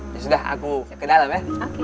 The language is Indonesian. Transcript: ya sudah aku ke dalam ya